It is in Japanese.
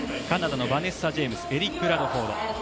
カナダのバネッサ・ジェイムスエリック・ラドフォード。